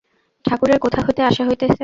ঠাকুরের কোথা হইতে আসা হইতেছে?